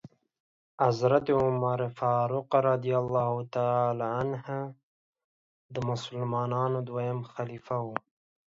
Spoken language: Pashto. حضرت عمرفاروق رضی الله تعالی عنه د مسلمانانو دوهم خليفه وو .